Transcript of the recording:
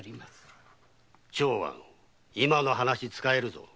長庵今の話使えるぞ。